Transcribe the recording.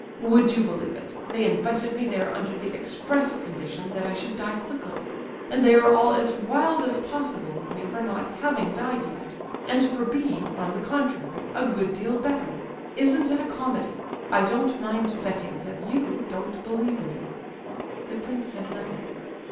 Would you believe it, they invited me there under the express condition that I should die quickly, and they are all as wild as possible with me for not having died yet, and for being, on the contrary, a good deal better! Isn't it a comedy? I don't mind betting that you don't believe me!" The prince said nothing.